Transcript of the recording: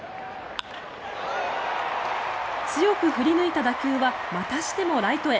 強く振り抜いた打球はまたしてもライトへ。